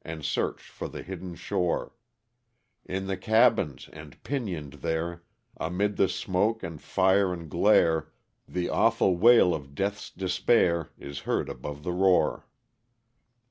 And search for the hidden shore. In the cabins,— and— pinioned there, Amid the— smoke— and— fire— and glare. The— awful— wail— of— death's— despair Isjheard above the roar.